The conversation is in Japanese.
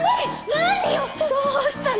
何よどうしたの？